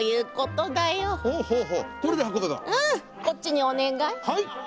こっちにお願い。